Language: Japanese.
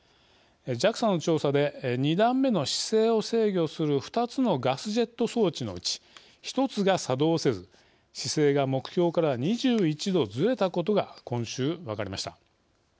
ＪＡＸＡの調査で２段目の姿勢を制御する２つのガスジェット装置のうち１つが作動せず姿勢が目標から２１度ずれたことが今週、分かりました。